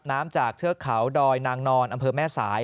น้ำจากเทือกเขาดอยนางนอนอำเภอแม่สาย